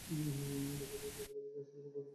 বাজার রোড ও কলাডেমায় ধানের শীষের পক্ষে মিছিল।